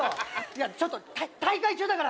いやちょっと大会中だから。